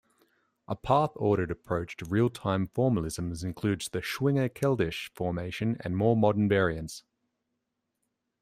A path-ordered approach to real-time formalisms includes the Schwinger-Keldysh formalism and more modern variants.